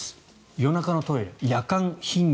夜中のトイレ、夜間頻尿